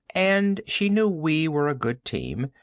"And she knew we were a good team.